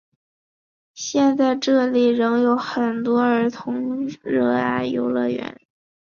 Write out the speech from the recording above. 现在这里仍有很受儿童喜爱的游乐园。